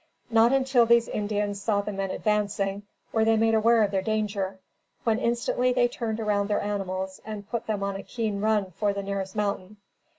Not until these Indians saw the men advancing, were they made aware of their danger; when instantly they turned around their animals, and put them on a keen run for the nearest mountain.